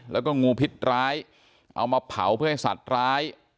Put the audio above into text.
แล้วก็งูพิษร้ายเอามาเผาเพื่อให้สัตว์ร้าย